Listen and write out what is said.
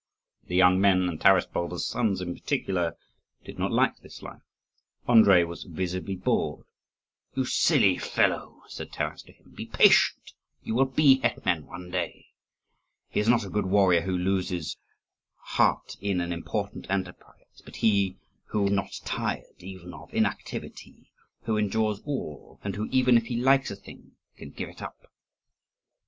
The young men, and Taras Bulba's sons in particular, did not like this life. Andrii was visibly bored. "You silly fellow!" said Taras to him, "be patient, you will be hetman one day. He is not a good warrior who loses heart in an important enterprise; but he who is not tired even of inactivity, who endures all, and who even if he likes a thing can give it up."